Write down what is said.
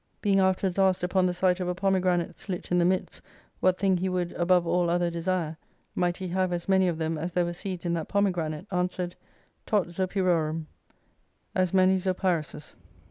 Being afterwards '49 asked upon the sight of a pomegranate slit in the midst, what thing he would above all other desire, might he have as many of them as there were seeds in that pomegranate, answered, Tot Zopyromm : As many Zopyruses.